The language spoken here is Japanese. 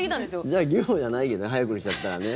じゃあ牛歩じゃないけど早送りしちゃったらね。